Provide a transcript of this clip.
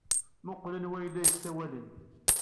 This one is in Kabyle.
Mmuqqel anwa ay la yessawalen.